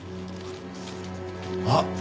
あっ。